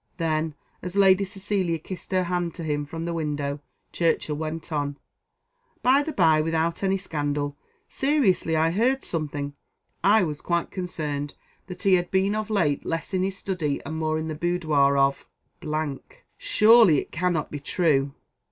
Then, as Lady Cecilia kissed her hand to him from the window, Churchill went on: "By the by, without any scandal, seriously I heard something I was quite concerned that he had been of late less in his study and more in the boudoir of . Surely it cannot be true!"